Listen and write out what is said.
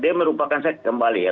dia merupakan saya kembali ya